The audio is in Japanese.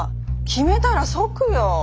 決めたら即よ。